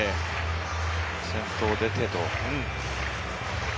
先頭で出てと。